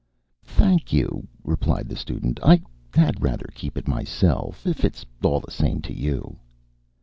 "Thank you," replied the student, "I had rather keep it myself, if it's all the same to you."